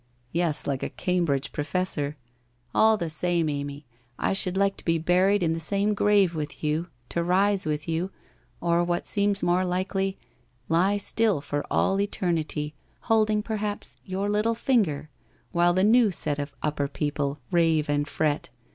'Yes, like a Cambridge professor. All the same, Amy, I should like to be buried in the same grave with you, to rise with you — or what seems more likely, lie still for all eternity, holding perhaps your little finger, while the new set of upper people rave and fret.